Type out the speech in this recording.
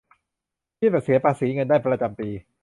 ยื่นแบบเสียภาษีเงินได้ประจำปี